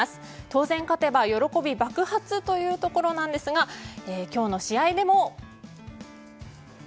当然勝てば喜び爆発というところなんですが今日の試合でも。